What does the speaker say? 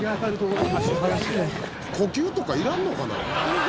「呼吸とかいらんのかな」